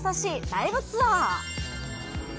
ライブツアー？